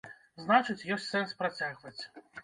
Значыць, ёсць сэнс працягваць.